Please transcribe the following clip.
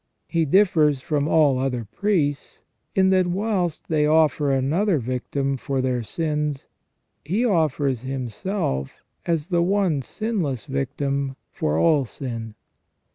He differs from all other priests, in that whilst they offer another victim for their sins, He offers Himself as the one sinless victim for all sin.